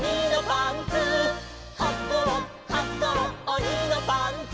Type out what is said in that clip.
「はこうはこうおにのパンツ」